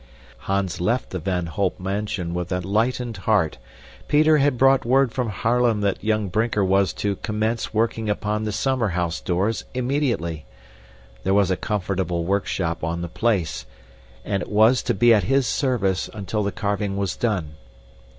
Hans left the Van Holp mansion with a lightened heart. Peter had brought word from Haarlem that young Brinker was to commence working upon the summer house doors immediately. There was a comfortable workshop on the place and it was to be at his service until the carving was done.